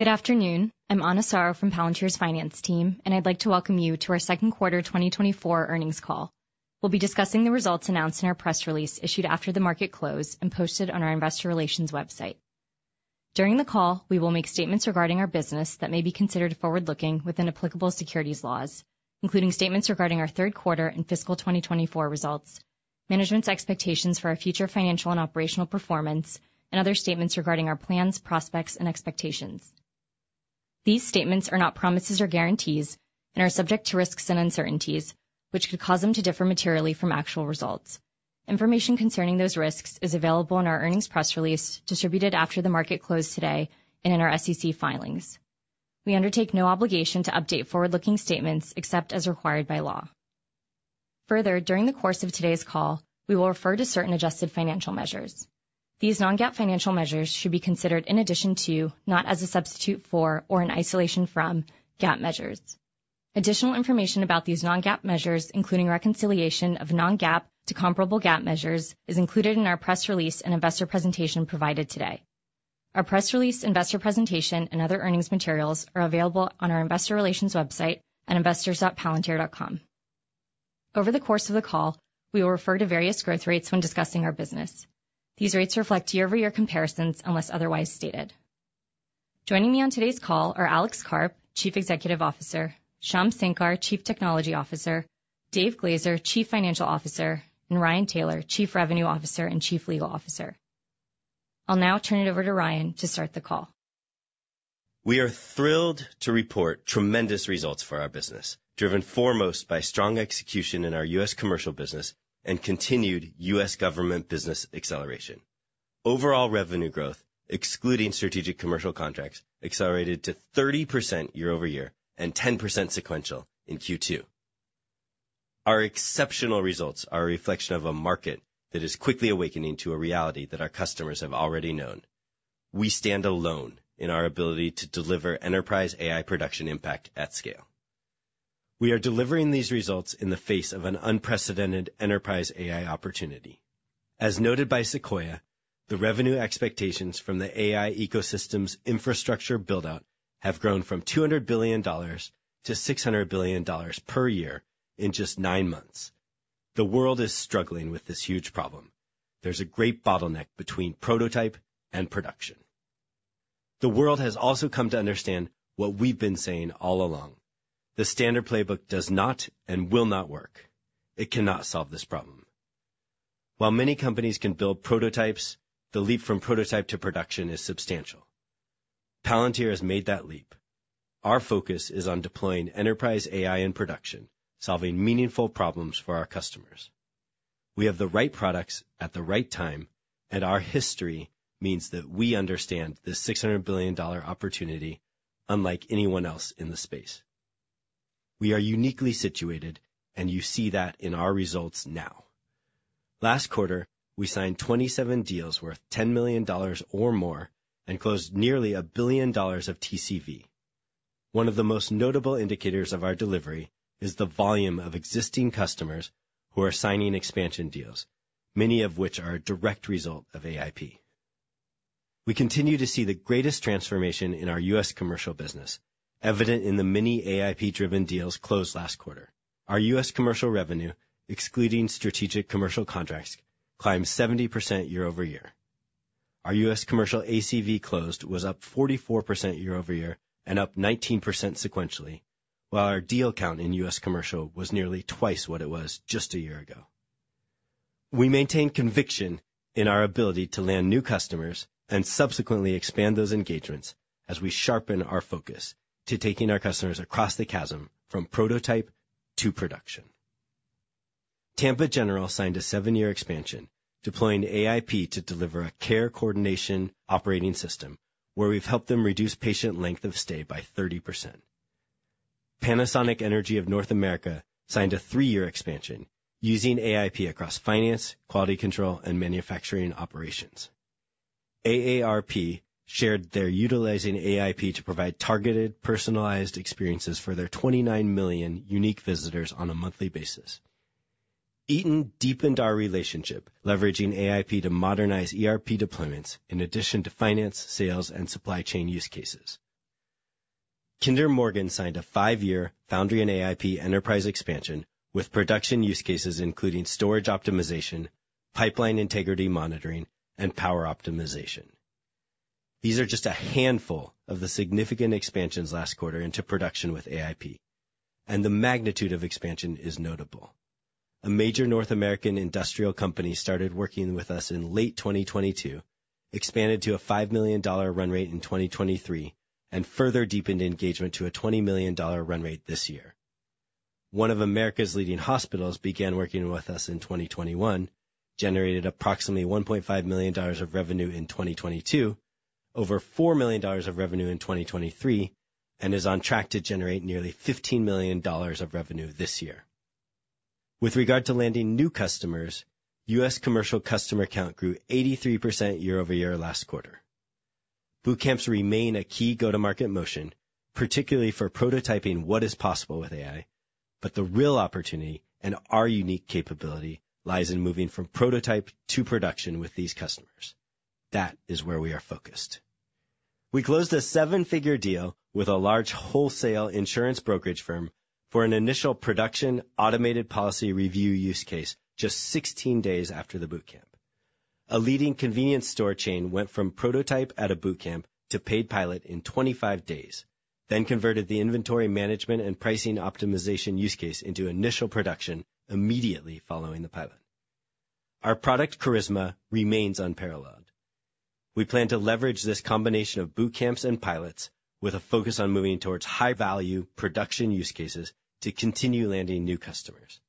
Good afternoon. I'm Ana Soro from Palantir's Finance Team, and I'd like to welcome you to our second quarter 2024 earnings call. We'll be discussing the results announced in our press release issued after the market closed and posted on our investor relations website. During the call, we will make statements regarding our business that may be considered forward-looking within applicable securities laws, including statements regarding our third quarter and fiscal 2024 results, management's expectations for our future financial and operational performance, and other statements regarding our plans, prospects, and expectations. These statements are not promises or guarantees and are subject to risks and uncertainties, which could cause them to differ materially from actual results. Information concerning those risks is available in our earnings press release distributed after the market closed today and in our SEC filings. We undertake no obligation to update forward-looking statements except as required by law. Further, during the course of today's call, we will refer to certain adjusted financial measures. These non-GAAP financial measures should be considered in addition to, not as a substitute for, or in isolation from, GAAP measures. Additional information about these non-GAAP measures, including reconciliation of non-GAAP to comparable GAAP measures, is included in our press release and investor presentation provided today. Our press release, investor presentation, and other earnings materials are available on our investor relations website at investors.palantir.com. Over the course of the call, we will refer to various growth rates when discussing our business. These rates reflect year-over-year comparisons unless otherwise stated. Joining me on today's call are Alex Karp, Chief Executive Officer, Shyam Sankar, Chief Technology Officer, David Glazer, Chief Financial Officer, and Ryan Taylor, Chief Revenue Officer and Chief Legal Officer. I'll now turn it over to Ryan to start the call. We are thrilled to report tremendous results for our business, driven foremost by strong execution in our U.S. commercial business and continued U.S. government business acceleration. Overall revenue growth, excluding strategic commercial contracts, accelerated to 30% year-over-year and 10% sequential in Q2. Our exceptional results are a reflection of a market that is quickly awakening to a reality that our customers have already known. We stand alone in our ability to deliver enterprise AI production impact at scale. We are delivering these results in the face of an unprecedented enterprise AI opportunity. As noted by Sequoia, the revenue expectations from the AI ecosystem's infrastructure build-out have grown from $200 billion to $600 billion per year in just nine months. The world is struggling with this huge problem. There's a great bottleneck between prototype and production. The world has also come to understand what we've been saying all along. The standard playbook does not and will not work. It cannot solve this problem. While many companies can build prototypes, the leap from prototype to production is substantial. Palantir has made that leap. Our focus is on deploying enterprise AI in production, solving meaningful problems for our customers. We have the right products at the right time, and our history means that we understand this $600 billion opportunity unlike anyone else in the space. We are uniquely situated, and you see that in our results now. Last quarter, we signed 27 deals worth $10 million or more and closed nearly $1 billion of TCV. One of the most notable indicators of our delivery is the volume of existing customers who are signing expansion deals, many of which are a direct result of AIP. We continue to see the greatest transformation in our U.S. commercial business, evident in the many AIP-driven deals closed last quarter. Our U.S. commercial revenue, excluding strategic commercial contracts, climbed 70% year-over-year. Our U.S. commercial ACV closed was up 44% year-over-year and up 19% sequentially, while our deal count in U.S. commercial was nearly twice what it was just a year ago. We maintain conviction in our ability to land new customers and subsequently expand those engagements as we sharpen our focus to taking our customers across the chasm from prototype to production. Tampa General signed a 7-year expansion, deploying AIP to deliver a care coordination operating system where we've helped them reduce patient length of stay by 30%. Panasonic Energy of North America signed a 3-year expansion, using AIP across finance, quality control, and manufacturing operations. AARP shared their utilizing AIP to provide targeted, personalized experiences for their 29 million unique visitors on a monthly basis. Eaton deepened our relationship, leveraging AIP to modernize ERP deployments in addition to finance, sales, and supply chain use cases. Kinder Morgan signed a 5-year Foundry and AIP enterprise expansion with production use cases including storage optimization, pipeline integrity monitoring, and power optimization. These are just a handful of the significant expansions last quarter into production with AIP, and the magnitude of expansion is notable. A major North American industrial company started working with us in late 2022, expanded to a $5 million run rate in 2023, and further deepened engagement to a $20 million run rate this year. One of America's leading hospitals began working with us in 2021, generated approximately $1.5 million of revenue in 2022, over $4 million of revenue in 2023, and is on track to generate nearly $15 million of revenue this year. With regard to landing new customers, U.S. Commercial customer count grew 83% year-over-year last quarter. Boot camps remain a key go-to-market motion, particularly for prototyping what is possible with AI, but the real opportunity and our unique capability lies in moving from prototype to production with these customers. That is where we are focused. We closed a seven-figure deal with a large wholesale insurance brokerage firm for an initial production automated policy review use case just 16 days after the boot camp. A leading convenience store chain went from prototype at a boot camp to paid pilot in 25 days, then converted the inventory management and pricing optimization use case into initial production immediately following the pilot. Our product charisma remains unparalleled. We plan to leverage this combination of Bootcamps and pilots with a focus on moving towards high-value production use cases to continue landing new customers.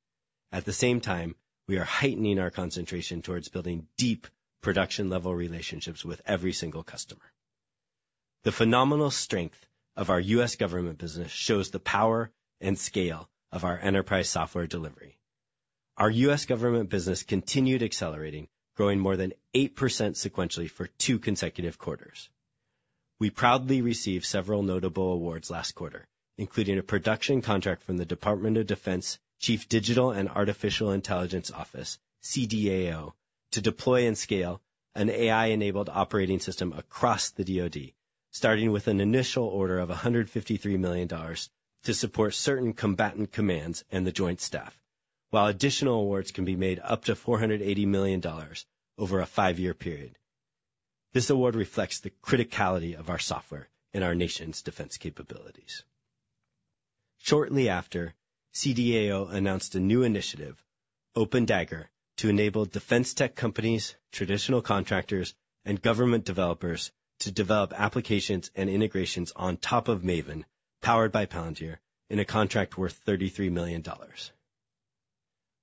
At the same time, we are heightening our concentration towards building deep production-level relationships with every single customer. The phenomenal strength of our U.S. government business shows the power and scale of our enterprise software delivery. Our U.S. government business continued accelerating, growing more than 8% sequentially for two consecutive quarters. We proudly received several notable awards last quarter, including a production contract from the Department of Defense Chief Digital and Artificial Intelligence Office, CDAO, to deploy and scale an AI-enabled operating system across the DOD, starting with an initial order of $153 million to support certain combatant commands and the joint staff, while additional awards can be made up to $480 million over a five-year period. This award reflects the criticality of our software and our nation's defense capabilities. Shortly after, CDAO announced a new initiative, Open DAGIR, to enable defense tech companies, traditional contractors, and government developers to develop applications and integrations on top of Maven, powered by Palantir, in a contract worth $33 million.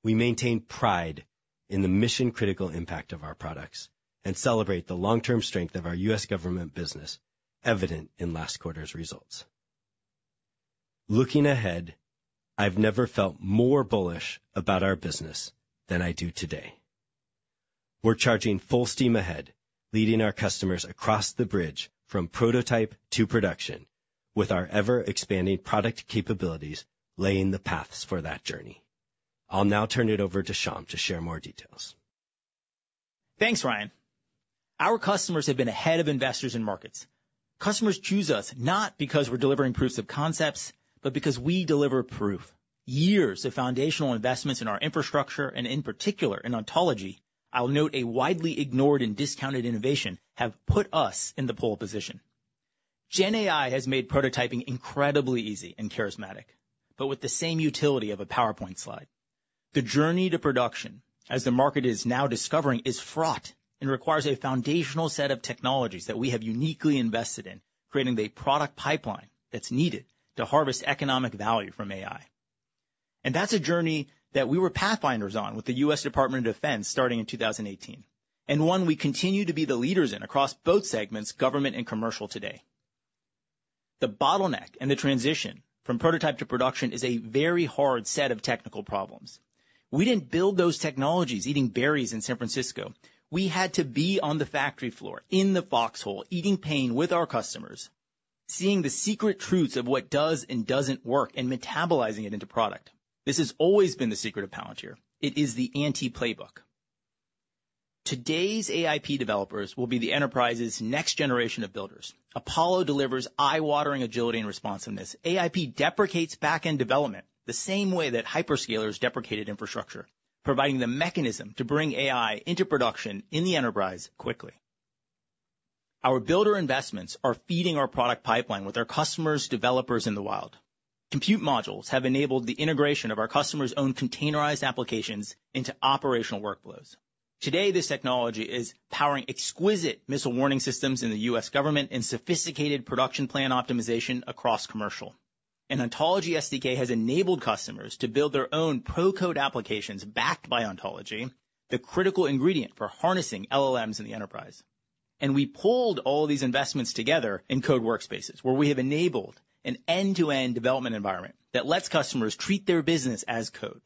We maintain pride in the mission-critical impact of our products and celebrate the long-term strength of our U.S. government business, evident in last quarter's results. Looking ahead, I've never felt more bullish about our business than I do today. We're charging full steam ahead, leading our customers across the bridge from prototype to production, with our ever-expanding product capabilities laying the paths for that journey. I'll now turn it over to Shyam to share more details. Thanks, Ryan. Our customers have been ahead of investors and markets. Customers choose us not because we're delivering proofs of concepts, but because we deliver proof. Years of foundational investments in our infrastructure and, in particular, in Ontology, I'll note a widely ignored and discounted innovation, have put us in the pole position. GenAI has made prototyping incredibly easy and charismatic, but with the same utility of a PowerPoint slide. The journey to production, as the market is now discovering, is fraught and requires a foundational set of technologies that we have uniquely invested in, creating the product pipeline that's needed to harvest economic value from AI. And that's a journey that we were pathfinders on with the U.S. Department of Defense starting in 2018, and one we continue to be the leaders in across both segments, government and commercial, today. The bottleneck and the transition from prototype to production is a very hard set of technical problems. We didn't build those technologies eating berries in San Francisco. We had to be on the factory floor, in the foxhole, eating pain with our customers, seeing the secret truths of what does and doesn't work, and metabolizing it into product. This has always been the secret of Palantir. It is the anti-playbook. Today's AIP developers will be the enterprise's next generation of builders. Apollo delivers eye-watering agility and responsiveness. AIP deprecates back-end development the same way that hyperscalers deprecated infrastructure, providing the mechanism to bring AI into production in the enterprise quickly. Our builder investments are feeding our product pipeline with our customers, developers in the wild. Compute Modules have enabled the integration of our customers' own containerized applications into operational workflows. Today, this technology is powering exquisite missile warning systems in the U.S. government and sophisticated production plan optimization across commercial. Ontology SDK has enabled customers to build their own pro-code applications backed by Ontology, the critical ingredient for harnessing LLMs in the enterprise. We pulled all these investments together in Code Workspaces, where we have enabled an end-to-end development environment that lets customers treat their business as code.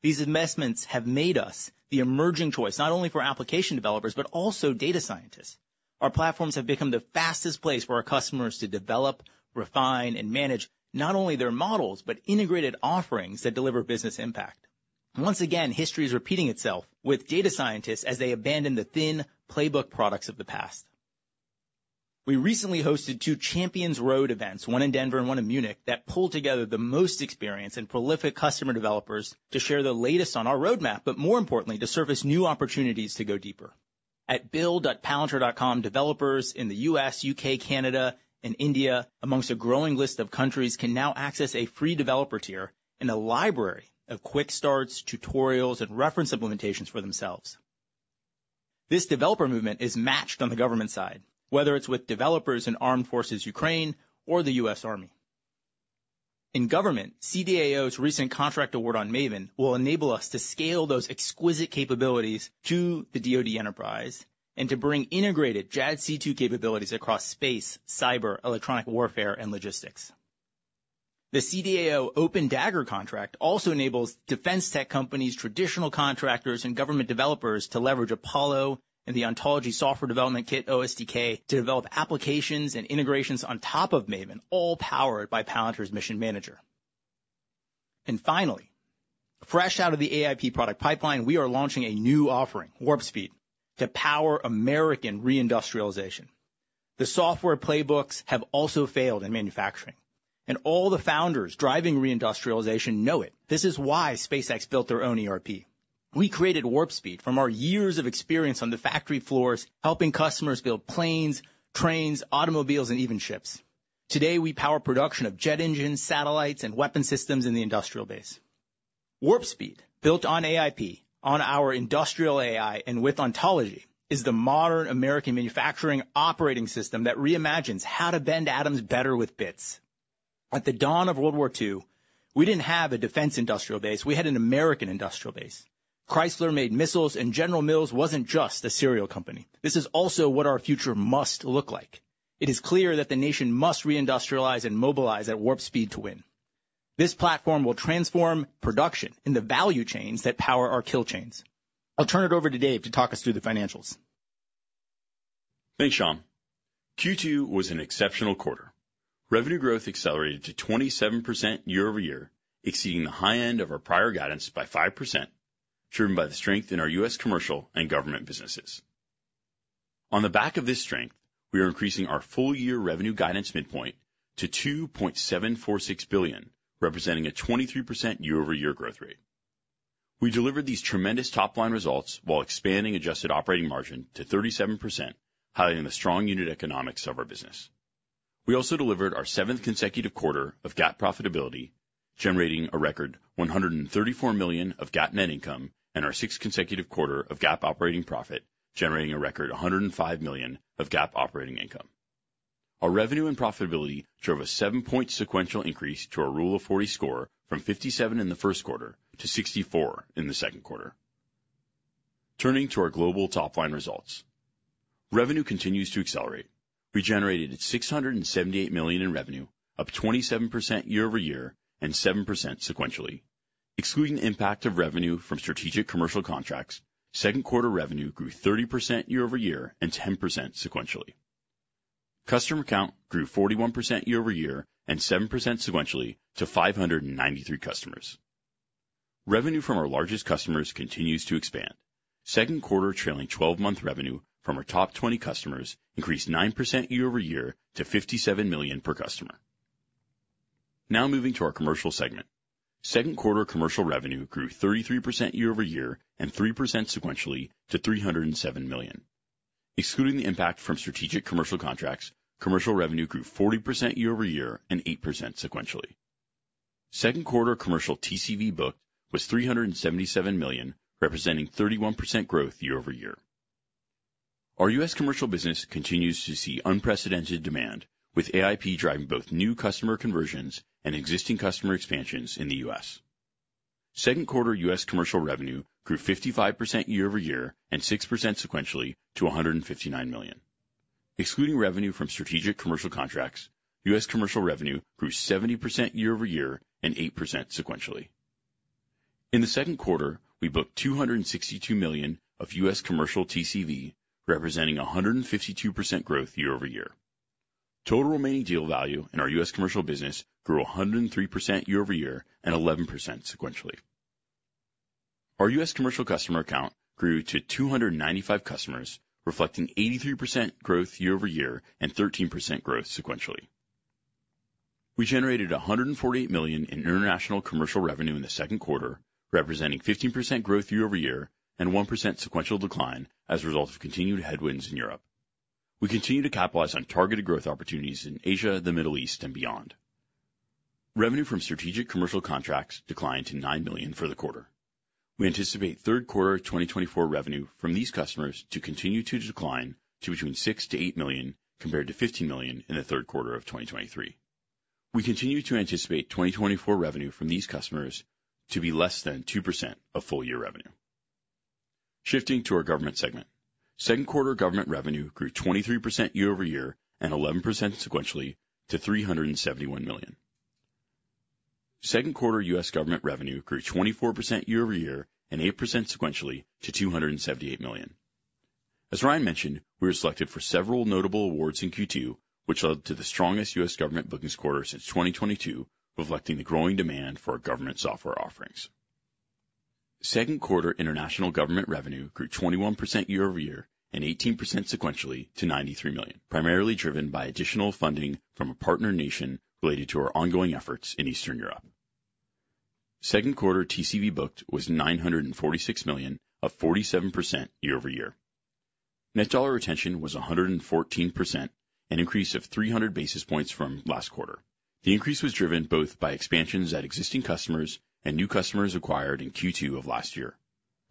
These investments have made us the emerging choice, not only for application developers, but also data scientists. Our platforms have become the fastest place for our customers to develop, refine, and manage not only their models, but integrated offerings that deliver business impact. Once again, history is repeating itself with data scientists as they abandon the thin playbook products of the past. We recently hosted two Champions Road events, one in Denver and one in Munich, that pulled together the most experienced and prolific customer developers to share the latest on our roadmap, but more importantly, to surface new opportunities to go deeper. At build.palantir.com, developers in the U.S., U.K., Canada, and India, among a growing list of countries, can now access a free developer tier and a library of quick starts, tutorials, and reference implementations for themselves. This developer movement is matched on the government side, whether it's with developers in Armed Forces of Ukraine or the U.S. Army. In government, CDAO's recent contract award on MAVEN will enable us to scale those exquisite capabilities to the DOD enterprise and to bring integrated JADC2 capabilities across space, cyber, electronic warfare, and logistics. The CDAO Open DAGIR contract also enables defense tech companies, traditional contractors, and government developers to leverage Apollo and the Ontology SDK, OSDK, to develop applications and integrations on top of MAVEN, all powered by Palantir's Mission Manager. Finally, fresh out of the AIP product pipeline, we are launching a new offering, Warp Speed, to power American reindustrialization. The software playbooks have also failed in manufacturing, and all the founders driving reindustrialization know it. This is why SpaceX built their own ERP. We created Warp Speed from our years of experience on the factory floors, helping customers build planes, trains, automobiles, and even ships. Today, we power production of jet engines, satellites, and weapon systems in the industrial base. Warp Speed, built on AIP, on our industrial AI and with Ontology, is the modern American manufacturing operating system that reimagines how to bend atoms better with bits. At the dawn of World War II, we didn't have a defense industrial base. We had an American industrial base. Chrysler made missiles, and General Mills wasn't just a cereal company. This is also what our future must look like. It is clear that the nation must reindustrialize and mobilize at Warp Speed to win. This platform will transform production in the value chains that power our kill chains. I'll turn it over to Dave to talk us through the financials. Thanks, Shyam. Q2 was an exceptional quarter. Revenue growth accelerated to 27% year-over-year, exceeding the high end of our prior guidance by 5%, driven by the strength in our U.S. commercial and government businesses. On the back of this strength, we are increasing our full-year revenue guidance midpoint to $2.746 billion, representing a 23% year-over-year growth rate. We delivered these tremendous top-line results while expanding adjusted operating margin to 37%, highlighting the strong unit economics of our business. We also delivered our seventh consecutive quarter of GAAP profitability, generating a record $134 million of GAAP net income, and our sixth consecutive quarter of GAAP operating profit, generating a record $105 million of GAAP operating income. Our revenue and profitability drove a 7-point sequential increase to our Rule of 40 score from 57 in the first quarter to 64 in the second quarter. Turning to our global top-line results, revenue continues to accelerate. We generated $678 million in revenue, up 27% year-over-year and 7% sequentially. Excluding the impact of revenue from strategic commercial contracts, second-quarter revenue grew 30% year-over-year and 10% sequentially. Customer count grew 41% year-over-year and 7% sequentially to 593 customers. Revenue from our largest customers continues to expand. Second quarter trailing 12-month revenue from our top 20 customers increased 9% year-over-year to $57 million per customer. Now moving to our commercial segment. Second quarter commercial revenue grew 33% year-over-year and 3% sequentially to $307 million. Excluding the impact from strategic commercial contracts, commercial revenue grew 40% year-over-year and 8% sequentially. Second quarter commercial TCV booked was $377 million, representing 31% growth year-over-year. Our U.S. commercial business continues to see unprecedented demand, with AIP driving both new customer conversions and existing customer expansions in the U.S. Second quarter U.S. Commercial revenue grew 55% year-over-year and 6% sequentially to $159 million. Excluding revenue from strategic commercial contracts, U.S. commercial revenue grew 70% year-over-year and 8% sequentially. In the second quarter, we booked $262 million of U.S. commercial TCV, representing 152% growth year-over-year. Total remaining deal value in our U.S. commercial business grew 103% year-over-year and 11% sequentially. Our U.S. commercial customer count grew to 295 customers, reflecting 83% growth year-over-year and 13% growth sequentially. We generated $148 million in international commercial revenue in the second quarter, representing 15% growth year-over-year and 1% sequential decline as a result of continued headwinds in Europe. We continue to capitalize on targeted growth opportunities in Asia, the Middle East, and beyond. Revenue from strategic commercial contracts declined to $9 million for the quarter. We anticipate third quarter 2024 revenue from these customers to continue to decline to between $6-$8 million, compared to $15 million in the third quarter of 2023. We continue to anticipate 2024 revenue from these customers to be less than 2% of full-year revenue. Shifting to our government segment, second quarter government revenue grew 23% year-over-year and 11% sequentially to $371 million. Second quarter U.S. government revenue grew 24% year-over-year and 8% sequentially to $278 million. As Ryan mentioned, we were selected for several notable awards in Q2, which led to the strongest U.S. government bookings quarter since 2022, reflecting the growing demand for our government software offerings. Second quarter international government revenue grew 21% year-over-year and 18% sequentially to $93 million, primarily driven by additional funding from a partner nation related to our ongoing efforts in Eastern Europe. Second quarter TCV booked was $946 million, up 47% year-over-year. Net dollar retention was 114%, an increase of 300 basis points from last quarter. The increase was driven both by expansions at existing customers and new customers acquired in Q2 of last year.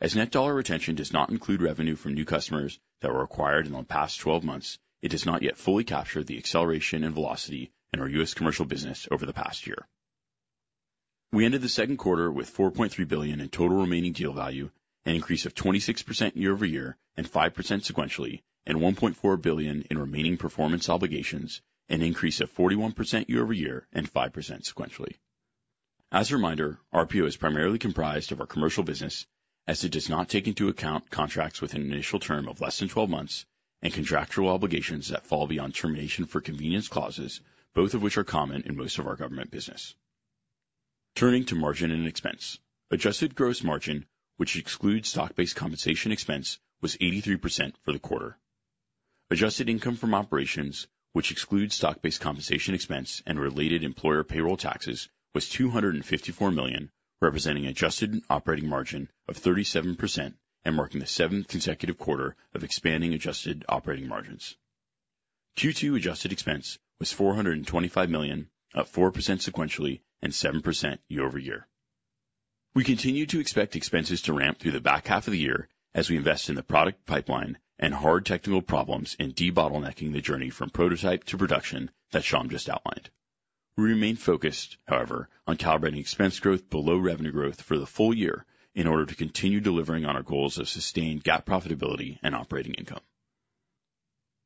As net dollar retention does not include revenue from new customers that were acquired in the past 12 months, it does not yet fully capture the acceleration and velocity in our U.S. commercial business over the past year. We ended the second quarter with $4.3 billion in total remaining deal value, an increase of 26% year-over-year and 5% sequentially, and $1.4 billion in remaining performance obligations, an increase of 41% year-over-year and 5% sequentially. As a reminder, our PO is primarily comprised of our commercial business, as it does not take into account contracts with an initial term of less than 12 months and contractual obligations that fall beyond termination for convenience clauses, both of which are common in most of our government business. Turning to margin and expense, adjusted gross margin, which excludes stock-based compensation expense, was 83% for the quarter. Adjusted income from operations, which excludes stock-based compensation expense and related employer payroll taxes, was $254 million, representing adjusted operating margin of 37% and marking the seventh consecutive quarter of expanding adjusted operating margins. Q2 adjusted expense was $425 million, up 4% sequentially and 7% year-over-year. We continue to expect expenses to ramp through the back half of the year as we invest in the product pipeline and hard technical problems in debottlenecking the journey from prototype to production that Shyam just outlined. We remain focused, however, on calibrating expense growth below revenue growth for the full year in order to continue delivering on our goals of sustained GAAP profitability and operating income.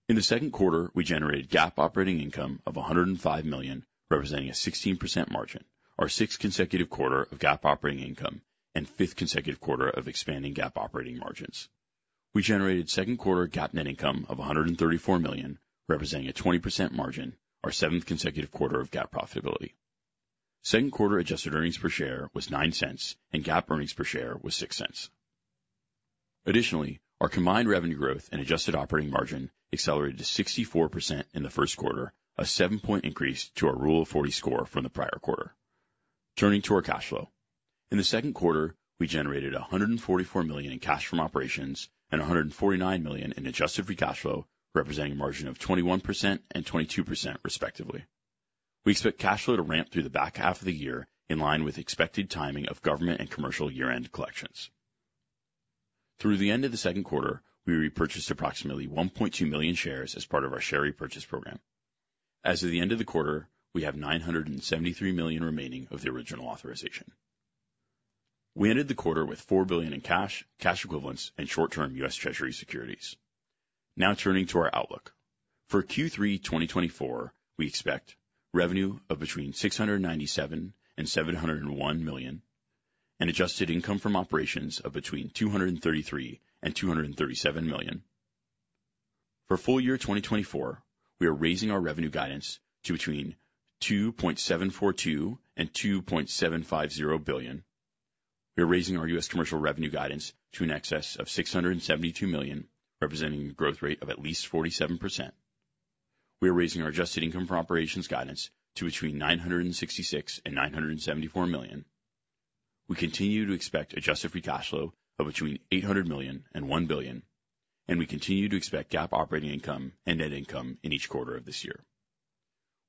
In the second quarter, we generated GAAP operating income of $105 million, representing a 16% margin, our sixth consecutive quarter of GAAP operating income, and fifth consecutive quarter of expanding GAAP operating margins. We generated second quarter GAAP net income of $134 million, representing a 20% margin, our seventh consecutive quarter of GAAP profitability. Second quarter adjusted earnings per share was $0.09, and GAAP earnings per share was $0.06. Additionally, our combined revenue growth and adjusted operating margin accelerated to 64% in the first quarter, a seven-point increase to our Rule of 40 score from the prior quarter. Turning to our cash flow, in the second quarter, we generated $144 million in cash from operations and $149 million in adjusted free cash flow, representing a margin of 21% and 22%, respectively. We expect cash flow to ramp through the back half of the year in line with expected timing of government and commercial year-end collections. Through the end of the second quarter, we repurchased approximately 1.2 million shares as part of our share repurchase program. As of the end of the quarter, we have $973 million remaining of the original authorization. We ended the quarter with $4 billion in cash, cash equivalents, and short-term U.S. Treasury securities. Now turning to our outlook. For Q3 2024, we expect revenue of between $697 and $701 million, and adjusted income from operations of between $233 and $237 million. For full year 2024, we are raising our revenue guidance to between $2.742 and $2.750 billion. We are raising our U.S. commercial revenue guidance to an excess of $672 million, representing a growth rate of at least 47%. We are raising our adjusted income from operations guidance to between $966 and $974 million. We continue to expect adjusted free cash flow of between $800 million and $1 billion, and we continue to expect GAAP operating income and net income in each quarter of this year.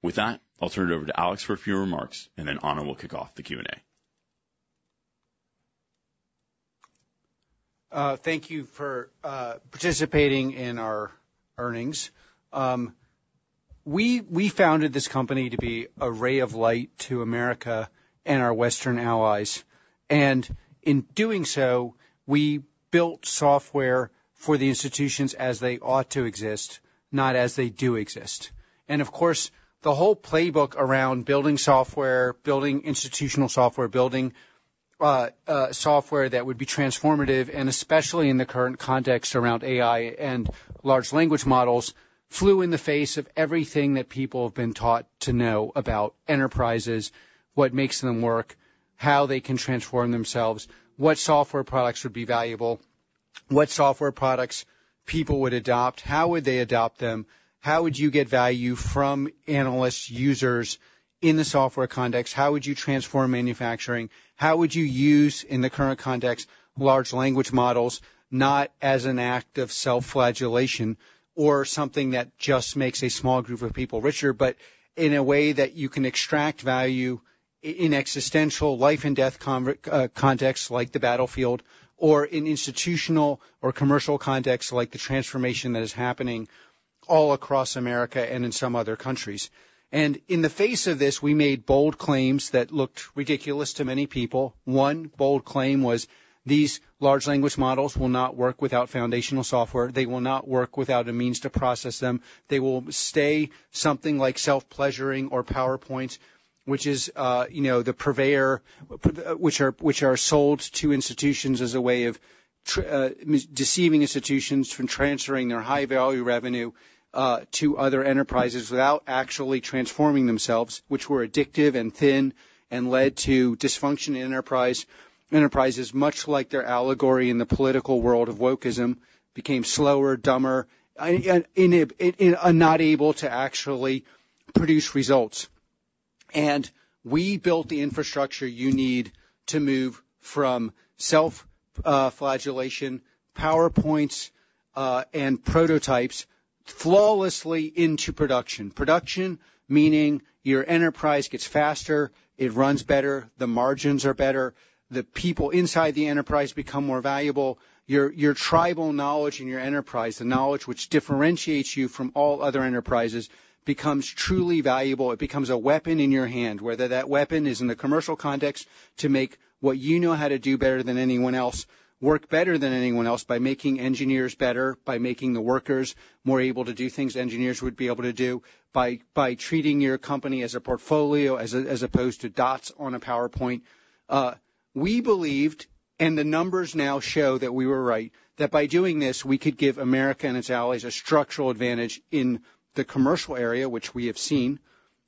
With that, I'll turn it over to Alex for a few remarks, and then Ana will kick off the Q&A. Thank you for participating in our earnings. We founded this company to be a ray of light to America and our Western allies. In doing so, we built software for the institutions as they ought to exist, not as they do exist. And of course, the whole playbook around building software, building institutional software, building software that would be transformative, and especially in the current context around AI and large language models, flew in the face of everything that people have been taught to know about enterprises, what makes them work, how they can transform themselves, what software products would be valuable, what software products people would adopt, how would they adopt them, how would you get value from analysts, users in the software context, how would you transform manufacturing, how would you use in the current context large language models, not as an act of self-flagellation or something that just makes a small group of people richer, but in a way that you can extract value in existential life-and-death contexts like the battlefield or in institutional or commercial contexts like the transformation that is happening all across America and in some other countries. In the face of this, we made bold claims that looked ridiculous to many people. One bold claim was, "These large language models will not work without foundational software. They will not work without a means to process them. They will stay something like self-pleasuring or PowerPoints," which is the purveyor which are sold to institutions as a way of deceiving institutions from transferring their high-value revenue to other enterprises without actually transforming themselves, which were addictive and thin and led to dysfunction in enterprises, much like their allegory in the political world of wokeism, became slower, dumber, and not able to actually produce results. And we built the infrastructure you need to move from self-flagellation, PowerPoints, and prototypes flawlessly into production. Production meaning your enterprise gets faster, it runs better, the margins are better, the people inside the enterprise become more valuable. Your tribal knowledge in your enterprise, the knowledge which differentiates you from all other enterprises, becomes truly valuable. It becomes a weapon in your hand, whether that weapon is in the commercial context to make what you know how to do better than anyone else, work better than anyone else by making engineers better, by making the workers more able to do things engineers would be able to do, by treating your company as a portfolio as opposed to dots on a PowerPoint. We believed, and the numbers now show that we were right, that by doing this, we could give America and its allies a structural advantage in the commercial area, which we have seen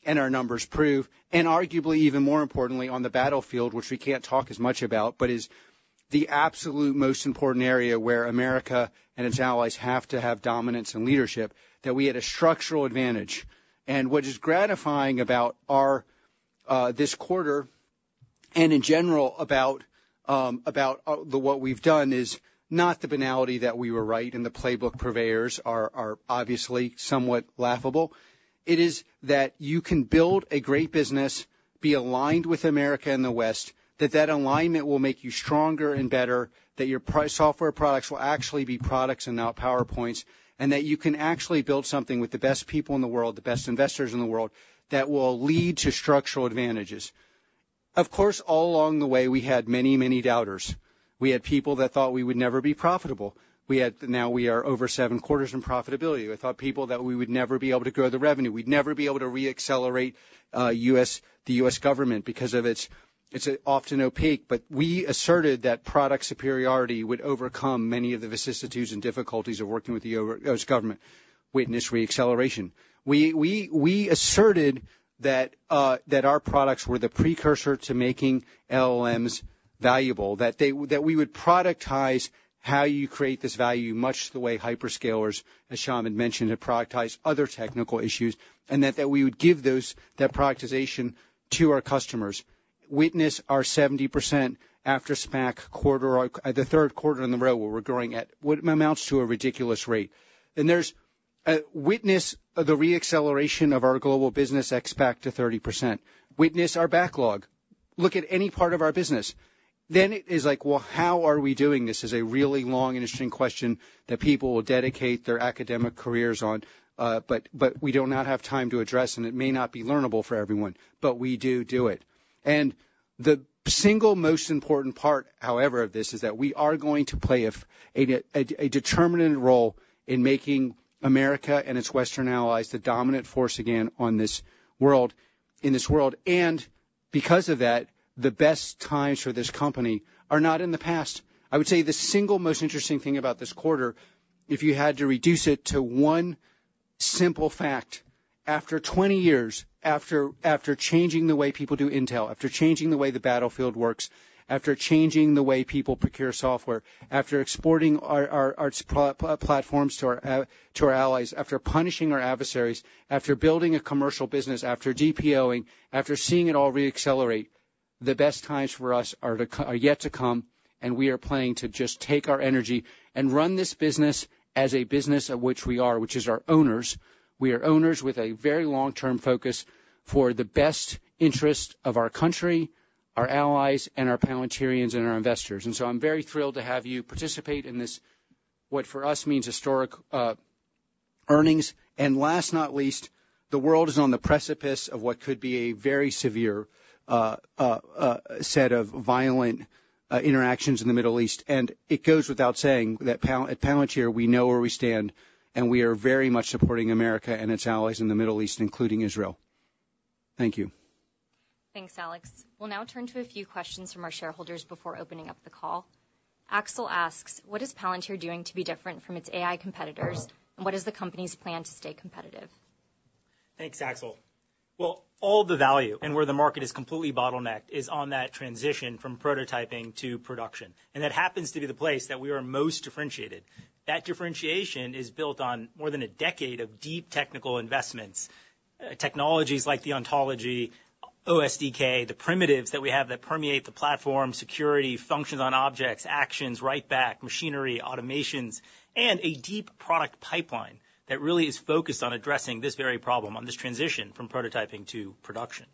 and our numbers prove, and arguably even more importantly, on the battlefield, which we can't talk as much about, but is the absolute most important area where America and its allies have to have dominance and leadership, that we had a structural advantage. And what is gratifying about this quarter and in general about what we've done is not the banality that we were right and the playbook purveyors are obviously somewhat laughable. It is that you can build a great business, be aligned with America and the West, that that alignment will make you stronger and better, that your software products will actually be products and not PowerPoints, and that you can actually build something with the best people in the world, the best investors in the world, that will lead to structural advantages. Of course, all along the way, we had many, many doubters. We had people that thought we would never be profitable. Now we are over seven quarters in profitability. We thought people that we would never be able to grow the revenue. We'd never be able to re-accelerate the U.S. government because of its often opaque, but we asserted that product superiority would overcome many of the vicissitudes and difficulties of working with the U.S. government with this re-acceleration. We asserted that our products were the precursor to making LLMs valuable, that we would productize how you create this value, much the way hyperscalers, as Shyam had mentioned, had productized other technical issues, and that we would give that productization to our customers. Witness our 70% after SPAC quarter, the third quarter in a row where we're growing at, what amounts to a ridiculous rate. Witness the re-acceleration of our global business expected to 30%. Witness our backlog. Look at any part of our business. Then it is like, "Well, how are we doing this?" is a really long and interesting question that people will dedicate their academic careers on, but we do not have time to address, and it may not be learnable for everyone, but we do do it. The single most important part, however, of this is that we are going to play a determinant role in making America and its Western allies the dominant force again in this world. Because of that, the best times for this company are not in the past. I would say the single most interesting thing about this quarter, if you had to reduce it to one simple fact, after 20 years, after changing the way people do intel, after changing the way the battlefield works, after changing the way people procure software, after exporting our platforms to our allies, after punishing our adversaries, after building a commercial business, after DPOing, after seeing it all re-accelerate, the best times for us are yet to come, and we are planning to just take our energy and run this business as a business of which we are, which is our owners. We are owners with a very long-term focus for the best interest of our country, our allies, and our Palantirians and our investors. So I'm very thrilled to have you participate in this, what for us means historic earnings. Last but not least, the world is on the precipice of what could be a very severe set of violent interactions in the Middle East. It goes without saying that at Palantir, we know where we stand, and we are very much supporting America and its allies in the Middle East, including Israel. Thank you. Thanks, Alex. We'll now turn to a few questions from our shareholders before opening up the call. Axel asks, "What is Palantir doing to be different from its AI competitors, and what is the company's plan to stay competitive? Thanks, Axel. Well, all the value and where the market is completely bottlenecked is on that transition from prototyping to production. And that happens to be the place that we are most differentiated. That differentiation is built on more than a decade of deep technical investments, technologies like the ontology, OSDK, the primitives that we have that permeate the platform, security, functions on objects, actions, write-back, machinery, automations, and a deep product pipeline that really is focused on addressing this very problem, on this transition from prototyping to production.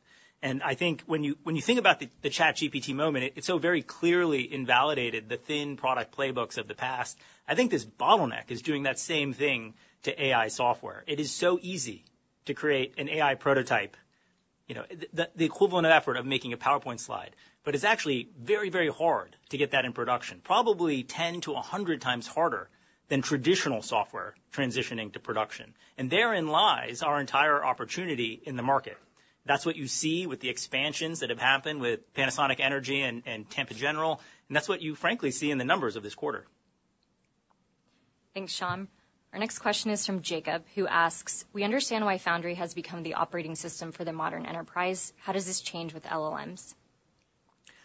And I think when you think about the ChatGPT moment, it so very clearly invalidated the thin product playbooks of the past. I think this bottleneck is doing that same thing to AI software. It is so easy to create an AI prototype, the equivalent of effort of making a PowerPoint slide, but it's actually very, very hard to get that in production, probably 10 to 100 times harder than traditional software transitioning to production. And therein lies our entire opportunity in the market. That's what you see with the expansions that have happened with Panasonic Energy and Tampa General, and that's what you frankly see in the numbers of this quarter. Thanks, Shyam. Our next question is from Jacob, who asks, "We understand why Foundry has become the operating system for the modern enterprise. How does this change with LLMs?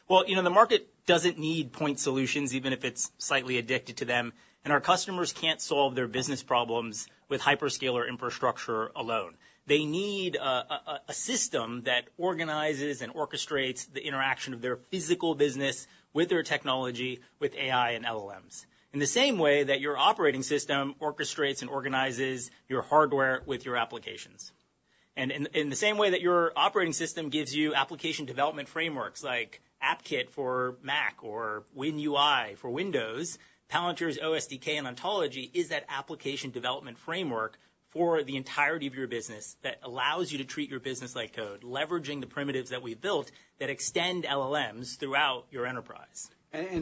Well, the market doesn't need point solutions, even if it's slightly addicted to them. And our customers can't solve their business problems with hyperscaler infrastructure alone. They need a system that organizes and orchestrates the interaction of their physical business with their technology with AI and LLMs, in the same way that your operating system orchestrates and organizes your hardware with your applications. And in the same way that your operating system gives you application development frameworks like AppKit for Mac or WinUI for Windows, Palantir's Ontology SDK and ontology is that application development framework for the entirety of your business that allows you to treat your business like code, leveraging the primitives that we built that extend LLMs throughout your enterprise.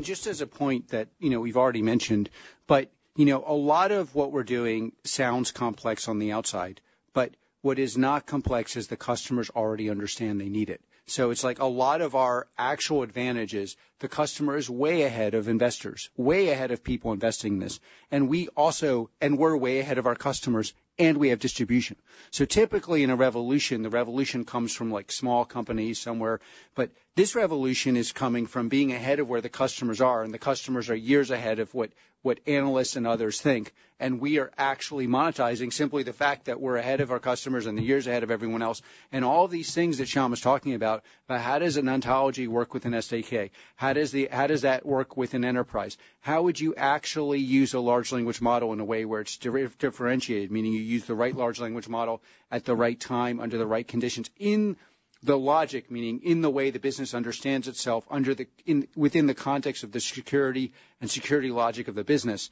Just as a point that we've already mentioned, but a lot of what we're doing sounds complex on the outside, but what is not complex is the customers already understand they need it. So it's like a lot of our actual advantages, the customer is way ahead of investors, way ahead of people investing in this. And we're way ahead of our customers, and we have distribution. So typically in a revolution, the revolution comes from small companies somewhere, but this revolution is coming from being ahead of where the customers are, and the customers are years ahead of what analysts and others think. And we are actually monetizing simply the fact that we're ahead of our customers and the years ahead of everyone else. And all these things that Shyam was talking about, about how does an ontology work with an SDK, how does that work with an enterprise, how would you actually use a large language model in a way where it's differentiated, meaning you use the right large language model at the right time under the right conditions in the logic, meaning in the way the business understands itself within the context of the security and security logic of the business.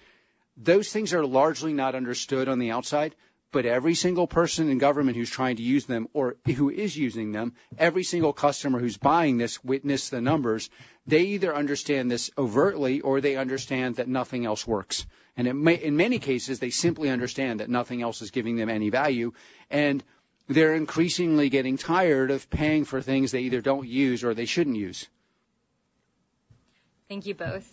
Those things are largely not understood on the outside, but every single person in government who's trying to use them or who is using them, every single customer who's buying this, witness the numbers, they either understand this overtly or they understand that nothing else works. In many cases, they simply understand that nothing else is giving them any value, and they're increasingly getting tired of paying for things they either don't use or they shouldn't use. Thank you both.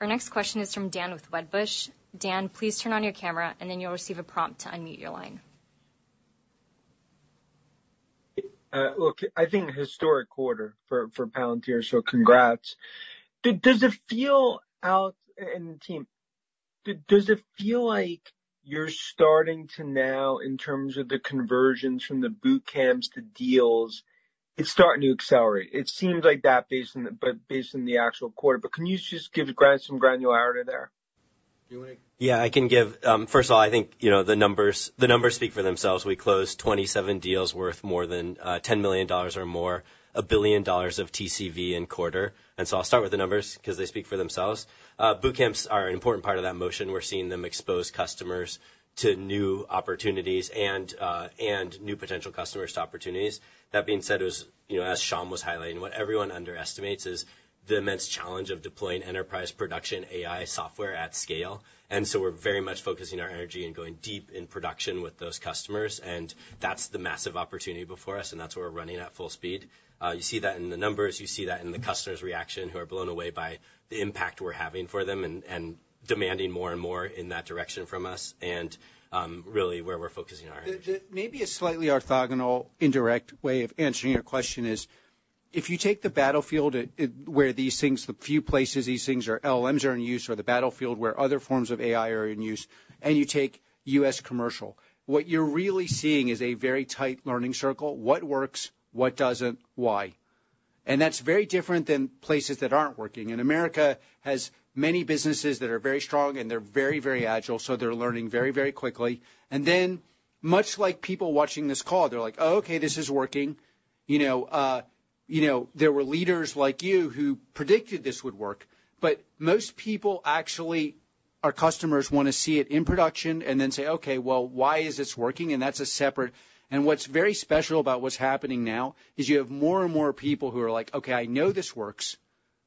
Our next question is from Dan with Wedbush. Dan, please turn on your camera, and then you'll receive a prompt to unmute your line. Look, I think historic quarter for Palantir, so congrats. Does it feel out in the team? Does it feel like you're starting to now, in terms of the conversions from the boot camps to deals, it's starting to accelerate? It seems like that based on the actual quarter, but can you just give some granularity there? Yeah, I can give. First of all, I think the numbers speak for themselves. We closed 27 deals worth more than $10 million or more, $1 billion of TCV in quarter. So I'll start with the numbers because they speak for themselves. Boot Camps are an important part of that motion. We're seeing them expose customers to new opportunities and new potential customers to opportunities. That being said, as Shyam was highlighting, what everyone underestimates is the immense challenge of deploying enterprise production AI software at scale. So we're very much focusing our energy and going deep in production with those customers, and that's the massive opportunity before us, and that's where we're running at full speed. You see that in the numbers. You see that in the customer's reaction who are blown away by the impact we're having for them and demanding more and more in that direction from us, and really where we're focusing our energy. Maybe a slightly orthogonal, indirect way of answering your question is, if you take the battlefield where these things, the few places these things are, LLMs are in use or the battlefield where other forms of AI are in use, and you take U.S. commercial, what you're really seeing is a very tight learning circle. What works? What doesn't? Why? And that's very different than places that aren't working. And America has many businesses that are very strong, and they're very, very agile, so they're learning very, very quickly. And then, much like people watching this call, they're like, "Oh, okay, this is working." There were leaders like you who predicted this would work, but most people, actually, our customers want to see it in production and then say, "Okay, well, why is this working?" And that's a separate and what's very special about what's happening now is you have more and more people who are like, "Okay, I know this works.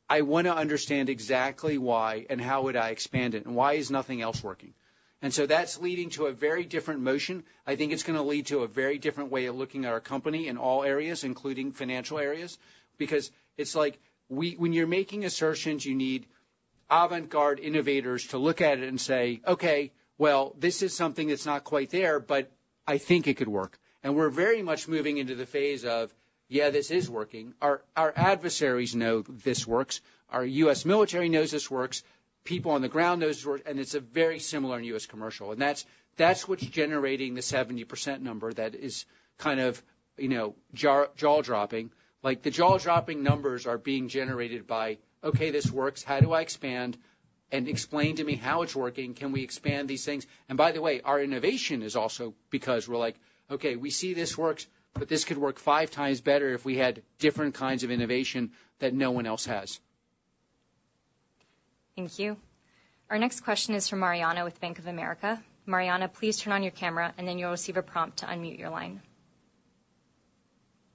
I want to understand exactly why and how would I expand it, and why is nothing else working?" And so that's leading to a very different motion. I think it's going to lead to a very different way of looking at our company in all areas, including financial areas, because it's like when you're making assertions, you need avant-garde innovators to look at it and say, "Okay, well, this is something that's not quite there, but I think it could work." And we're very much moving into the phase of, "Yeah, this is working." Our adversaries know this works. Our U.S. military knows this works. People on the ground know this works, and it's very similar in U.S. commercial. And that's what's generating the 70% number that is kind of jaw-dropping. The jaw-dropping numbers are being generated by, "Okay, this works. How do I expand? And explain to me how it's working. Can we expand these things?" And by the way, our innovation is also because we're like, "Okay, we see this works, but this could work five times better if we had different kinds of innovation that no one else has. Thank you. Our next question is from Mariana with Bank of America. Mariana, please turn on your camera, and then you'll receive a prompt to unmute your line.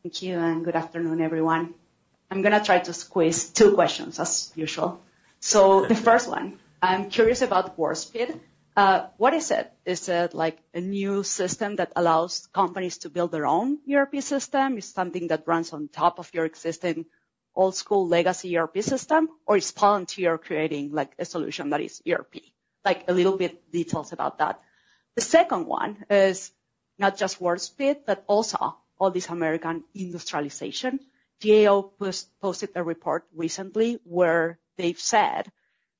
Thank you, and good afternoon, everyone. I'm going to try to squeeze two questions as usual. So the first one, I'm curious about Warp Speed. What is it? Is it a new system that allows companies to build their own ERP system? Is it something that runs on top of your existing old-school legacy ERP system, or is Palantir creating a solution that is ERP? A little bit of details about that. The second one is not just Warp Speed, but also all this American industrialization. GAO posted a report recently where they've said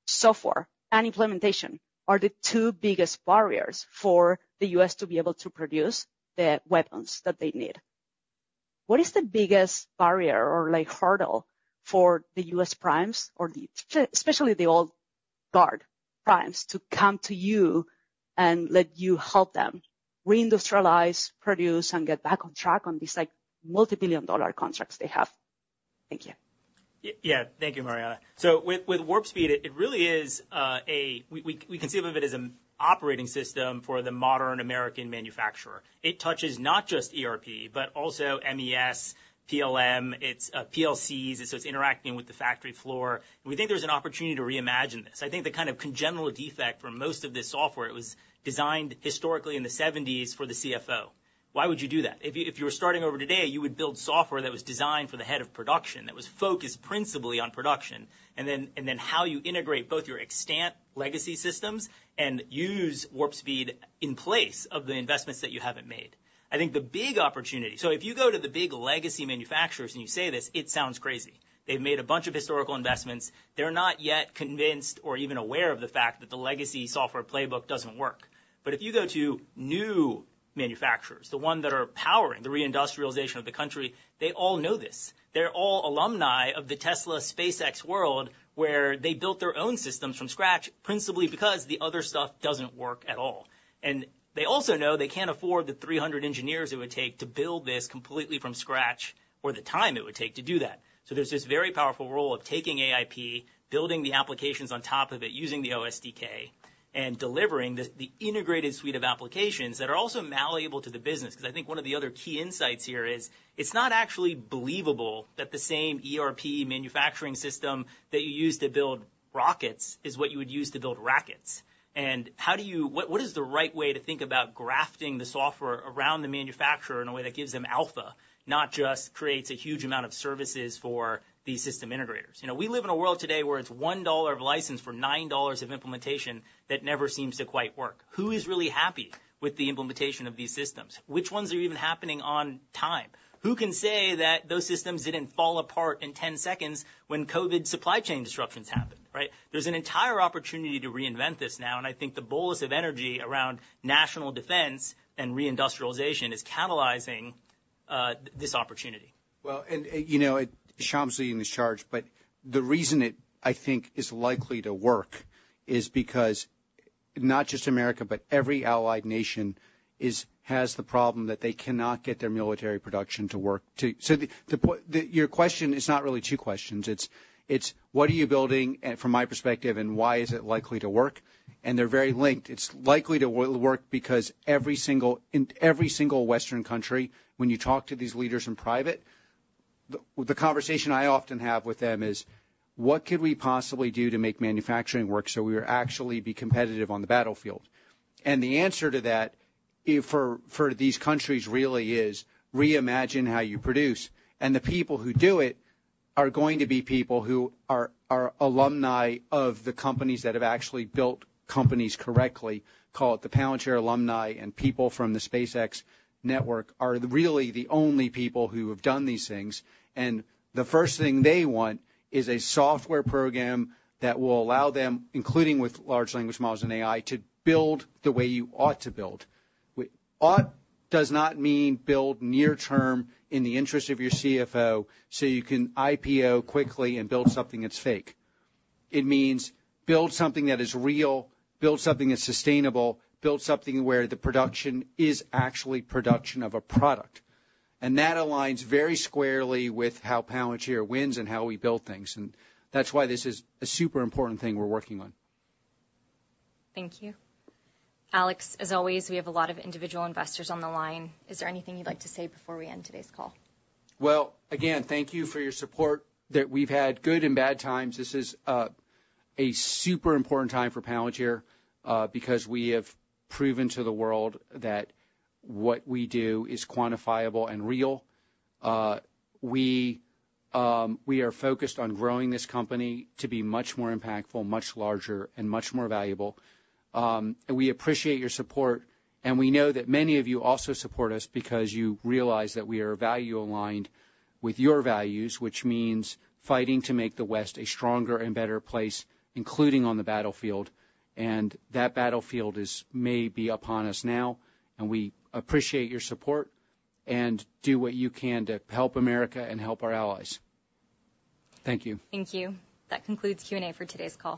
software and implementation are the two biggest barriers for the U.S. to be able to produce the weapons that they need. What is the biggest barrier or hurdle for the U.S.? primes, or especially the old guard primes, to come to you and let you help them re-industrialize, produce, and get back on track on these multi-billion-dollar contracts they have? Thank you. Yeah, thank you, Mariana. So with Warp Speed, it really is a we conceive of it as an operating system for the modern American manufacturer. It touches not just ERP, but also MES, PLM, it's PLCs, so it's interacting with the factory floor. We think there's an opportunity to reimagine this. I think the kind of congenital defect for most of this software, it was designed historically in the '70s for the CFO. Why would you do that? If you were starting over today, you would build software that was designed for the head of production that was focused principally on production, and then how you integrate both your extant legacy systems and use Warp Speed in place of the investments that you haven't made. I think the big opportunity, so if you go to the big legacy manufacturers and you say this, it sounds crazy. They've made a bunch of historical investments. They're not yet convinced or even aware of the fact that the legacy software playbook doesn't work. But if you go to new manufacturers, the ones that are powering the re-industrialization of the country, they all know this. They're all alumni of the Tesla SpaceX world where they built their own systems from scratch, principally because the other stuff doesn't work at all. And they also know they can't afford the 300 engineers it would take to build this completely from scratch or the time it would take to do that. So there's this very powerful role of taking AIP, building the applications on top of it, using the Ontology SDK, and delivering the integrated suite of applications that are also malleable to the business. Because I think one of the other key insights here is it's not actually believable that the same ERP manufacturing system that you use to build rockets is what you would use to build rackets. And what is the right way to think about grafting the software around the manufacturer in a way that gives them alpha, not just creates a huge amount of services for these system integrators? We live in a world today where it's $1 of a license for $9 of implementation that never seems to quite work. Who is really happy with the implementation of these systems? Which ones are even happening on time? Who can say that those systems didn't fall apart in 10 seconds when COVID supply chain disruptions happened? There's an entire opportunity to reinvent this now, and I think the bolus of energy around national defense and re-industrialization is catalyzing this opportunity. Well, and Shyam's leading this charge, but the reason it, I think, is likely to work is because not just America, but every allied nation has the problem that they cannot get their military production to work. So your question is not really two questions. It's, what are you building, from my perspective, and why is it likely to work? And they're very linked. It's likely to work because every single Western country, when you talk to these leaders in private, the conversation I often have with them is, what could we possibly do to make manufacturing work so we would actually be competitive on the battlefield? And the answer to that for these countries really is reimagine how you produce. And the people who do it are going to be people who are alumni of the companies that have actually built companies correctly. Call it the Palantir alumni, and people from the SpaceX network are really the only people who have done these things. The first thing they want is a software program that will allow them, including with large language models and AI, to build the way you ought to build. Ought does not mean build near-term in the interest of your CFO so you can IPO quickly and build something that's fake. It means build something that is real, build something that's sustainable, build something where the production is actually production of a product. That aligns very squarely with how Palantir wins and how we build things. That's why this is a super important thing we're working on. Thank you. Alex, as always, we have a lot of individual investors on the line. Is there anything you'd like to say before we end today's call? Well, again, thank you for your support. We've had good and bad times. This is a super important time for Palantir because we have proven to the world that what we do is quantifiable and real. We are focused on growing this company to be much more impactful, much larger, and much more valuable. And we appreciate your support. And we know that many of you also support us because you realize that we are value-aligned with your values, which means fighting to make the West a stronger and better place, including on the battlefield. And that battlefield may be upon us now, and we appreciate your support and do what you can to help America and help our allies. Thank you. Thank you. That concludes Q&A for today's call.